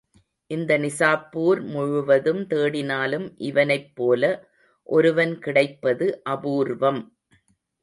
இந்த நிசாப்பூர் முழுவதும் தேடினாலும் இவனைபோல ஒருவன் கிடைப்பது அபூர்வம்.